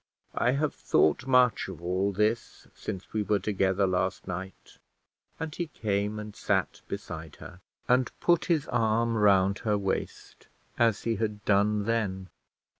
I have thought much of all this since we were together last night;" and he came and sat beside her, and put his arm round her waist as he had done then.